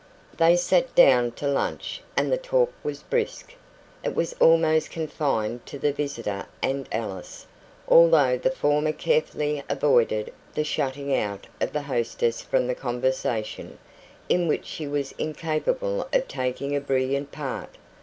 They sat down to lunch, and the talk was brisk. It was almost confined to the visitor and Alice, although the former carefully avoided the shutting out of the hostess from the conversation, in which she was incapable of taking a brilliant part.